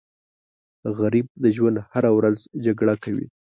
غریب د ژوند هره ورځ جګړه کوي